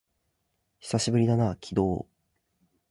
久しぶりだな、鬼道